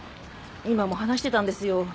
今も話してたんですよ。